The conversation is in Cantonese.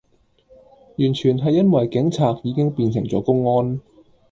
完全係因為警察已經變成左公安